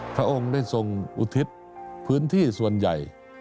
พระองค์ได้ทรงอุทิศพื้นที่ส่วนใหญ่